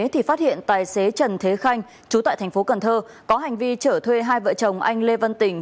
thì phát hiện tài xế trần thế khanh trú tại tp cn có hành vi trở thuê hai vợ chồng anh lê vân tình